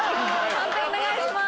判定お願いします。